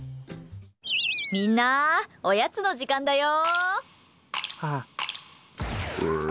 みんな、おやつの時間だよ！